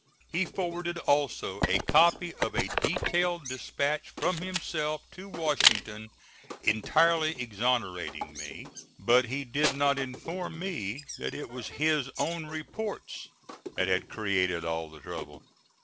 He forwarded also a copy of a detailed dispatch from himself to Washington entirely exonerating me; but he did not inform me that it was his own reports that had created all the trouble.